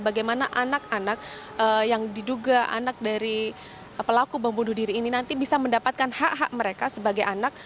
bagaimana anak anak yang diduga anak dari pelaku bom bunuh diri ini nanti bisa mendapatkan hak hak mereka sebagai anak